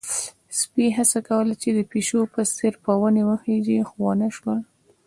سپي هڅه کوله چې د پيشو په څېر په ونې وخيژي، خو ونه شول.